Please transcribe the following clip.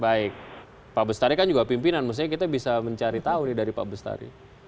baik pak bestari kan juga pimpinan maksudnya kita bisa mencari tahu nih dari pak bestari